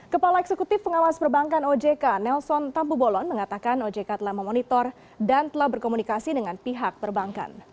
kepala eksekutif pengawas perbankan ojk nelson tampu bolon mengatakan ojk telah memonitor dan telah berkomunikasi dengan pihak perbankan